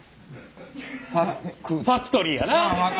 「ファクトリー」やな。